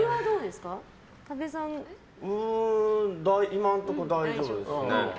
今のところ大丈夫ですね。